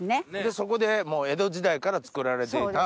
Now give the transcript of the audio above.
そこで江戸時代から作られていた。